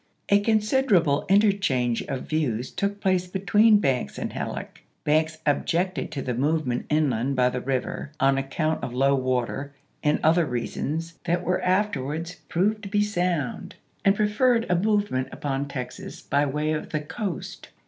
A considerable interchange of views took place between Banks and Halleck. Banks objected to the movement inland by the river on account of low water and other reasons that were afterwards proved to be sound, and preferred a movement upon Texas by way of the coast.